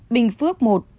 bình phước một